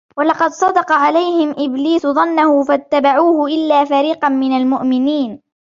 ولقد صدق عليهم إبليس ظنه فاتبعوه إلا فريقا من المؤمنين